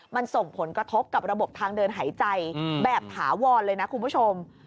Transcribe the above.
มันส่งผลกระทบกับระบบทางเดินหายใจแบบถาวรเลยนะคุณผู้ชม